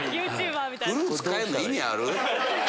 フルーツ変えるの意味ある？